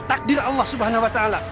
takdir allah subhanahu wa ta'ala